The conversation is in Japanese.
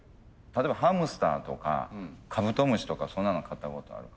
例えばハムスターとかカブトムシとかそんなの飼ったことある？